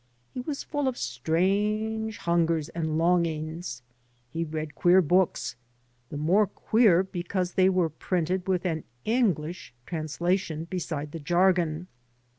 He was full of strange hungers and lon^ngs. He read queer books, the more queer because they were printed with an English translation beside the jargon.